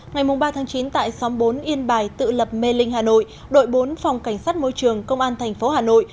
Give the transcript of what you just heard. ngày ba chín tại xóm bốn yên bài tự lập mê linh hà nội đội bốn phòng cảnh sát môi trường công an thành phố hà nội